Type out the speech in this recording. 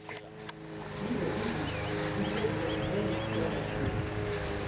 Li do vivis; mi sekve ne venis tro malfrue.